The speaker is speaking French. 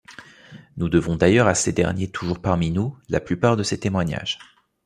Nous devons d’ailleurs à ces derniers toujours parmi nous, la plupart de ces témoignages.